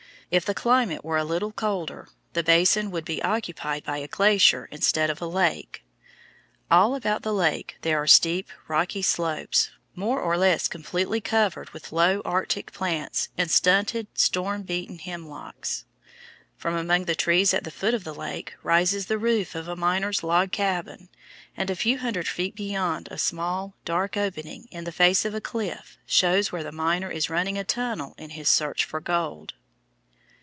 If the climate were a little colder, the basin would be occupied by a glacier instead of a lake. All about the lake there are steep, rocky slopes, more or less completely covered with low arctic plants and stunted, storm beaten hemlocks. From among the trees at the foot of the lake rises the roof of a miner's log cabin, and a few hundred feet beyond a small, dark opening in the face of a cliff shows where the miner is running a tunnel in his search for gold.